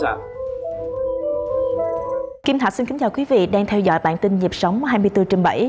kim thạch xin kính chào quý vị đang theo dõi bản tin nhịp sống hai mươi bốn trên bảy